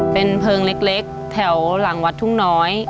เป็นเพลิงเล็กแถวหลังวัดทุ่งน้อย